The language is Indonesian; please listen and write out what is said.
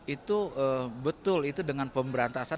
itu betul dengan pemberantasan